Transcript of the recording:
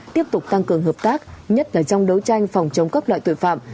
tiếp tục tăng cường hợp tác nhất là trong đấu tranh phòng chống các loại tội phạm